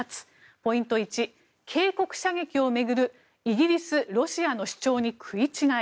ポイント１、警告射撃を巡るイギリス、ロシアの主張に食い違い。